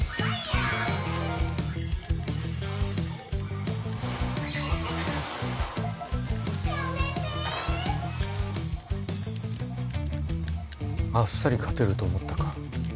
やめてあっさり勝てると思ったか？